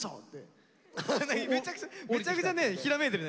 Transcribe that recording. めちゃくちゃひらめいてるね